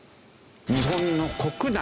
日本の国内